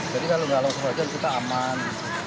jadi kalau nggak longsor aja kita aman